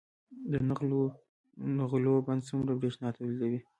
د نغلو بند څومره بریښنا تولیدوي؟